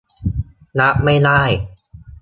รับไม่ได้